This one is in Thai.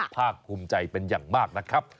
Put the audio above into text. ภาคภูมิใจเป็นอย่างมากนะครับ